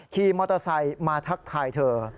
ขี่มอเตอร์ไซค์มาทักทายเธอ